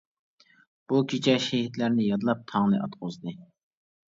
بۇ كېچە شېھىتلەرنى يادلاپ تاڭنى ئاتقۇزدى.